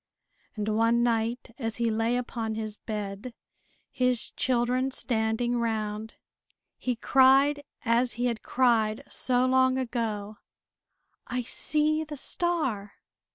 And one night as he lay upon his bed, his children standing round, he cried, as he had cried so long ago: "I see the star!"